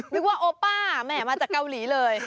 นึกว่าโอป้าแหม่มาจากเกาหลีเลย